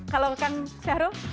kalau kan sehru